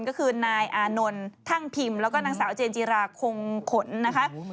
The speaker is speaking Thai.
ก็คือนายอานนท์ท่างพิมพ์แล้วก็นางสาวเจนจิราคงขนนะคะ